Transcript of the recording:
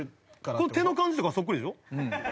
この手の感じとかそっくりでしょ？